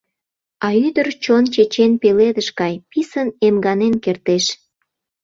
А ӱдыр чон чечен пеледыш гай: писын эмганен кертеш.